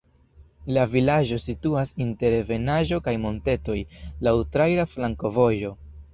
La vilaĝo situas inter ebenaĵo kaj montetoj, laŭ traira flankovojo.